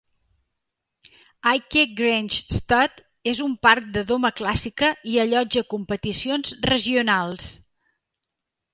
Aike Grange Stud és un parc de doma clàssica i allotja competicions regionals.